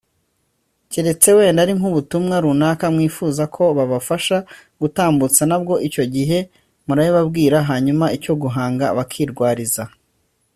keretse wenda ari nk'ubutumwa runaka mwifuza ko babafasha gutambutsa nabwo icyo gihe murabubabwira hanyuma ibyo guhanga bakirwariza